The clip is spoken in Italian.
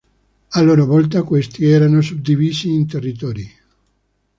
A loro volta questi erano suddivisi in Territori.